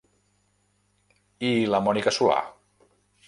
I la Mònica Solà?